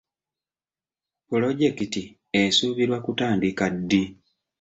Pulojekiti esuubirwa kutandika ddi?